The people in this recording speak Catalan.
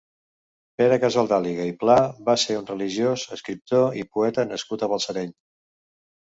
Pere Casaldàliga i Pla va ser un religiós, escriptor i poeta nascut a Balsareny.